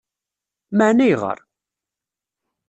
Meɛna ayɣer?